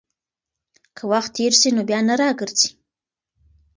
که وخت تېر سي، نو بيا نه راګرځي.